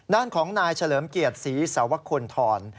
ด้านของนายเฉลิมเกียรติศรีสวคลทร